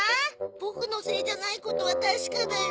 ボクのせいじゃないことは確かだよ。